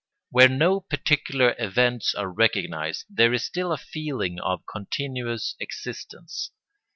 Where no particular events are recognised there is still a feeling of continuous existence.